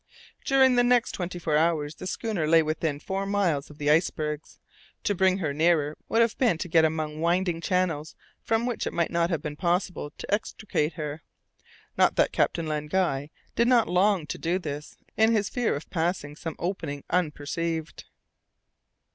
During the next twenty four hours the schooner lay within four miles of the icebergs. To bring her nearer would have been to get among winding channels from which it might not have been possible to extricate her. Not that Captain Len Guy did not long to do this, in his fear of passing some opening unperceived.